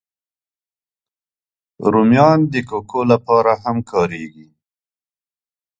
رومیان د کوکو لپاره هم کارېږي